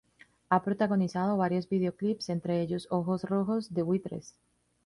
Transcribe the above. Ha protagonizado varios videoclips, entre ellos "Ojos rojos" de Buitres.